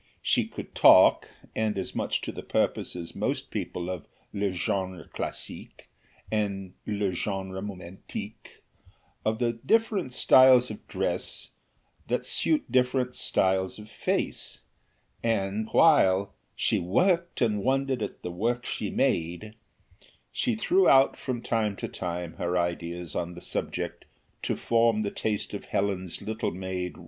She could talk, and as much to the purpose as most people of "le genre classique," and "le genre romantique," of the different styles of dress that suit different styles of face; and while "she worked and wondered at the work she made," she threw out from time to time her ideas on the subject to form the taste of Helen's little maid.